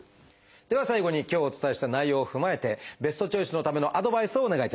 では最後に今日お伝えした内容を踏まえてベストチョイスのためのアドバイスをお願いいたします。